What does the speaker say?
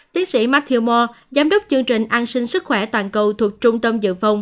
tiến sĩ matthew moore giám đốc chương trình an sinh sức khỏe toàn cầu thuộc trung tâm dự phòng